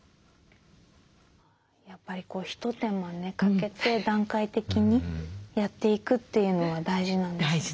やっぱり一手間かけて段階的にやっていくというのは大事なんですね。